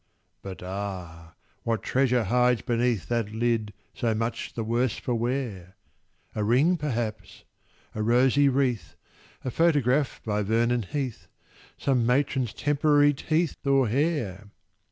But ah! what treasure hides beneath That lid so much the worse for wear? A ring perhaps—a rosy wreath— A photograph by Vernon Heath— Some matron's temporary teeth Or hair!